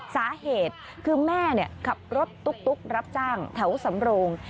สาเหตุคือแม่ขับรถตุ๊กรับจ้างแถวสำโรง